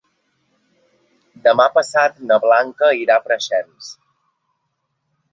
Demà passat na Blanca irà a Preixens.